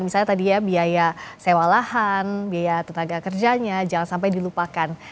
misalnya tadi ya biaya sewa lahan biaya tenaga kerjanya jangan sampai dilupakan